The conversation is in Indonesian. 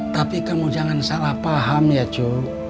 tapi kamu jangan salah paham ya jo